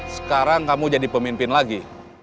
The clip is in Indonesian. sekarang kamu jadi pemimpin lagi